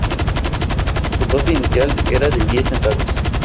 Su coste inicial era de diez centavos.